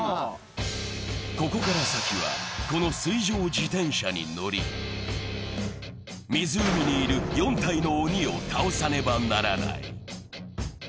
ここからは先は、この水上自転車に乗り、湖にいる４体の鬼を倒さねばならない。